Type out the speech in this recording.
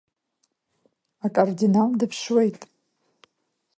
Акардинал дыԥшуеит.